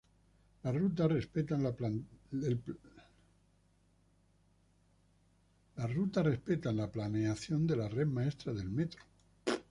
Las rutas respetan la planeación de la red maestra del Metro.